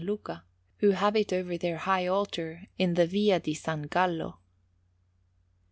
Luca, who have it over their high altar in the Via di S. Gallo.